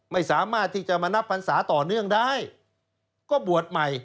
ไม่สามารถที่จะมานับพันศาต่อเนื่องได้ก็บวชใหม่